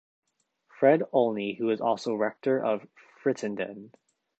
Fred Olney who is also Rector of Frittenden.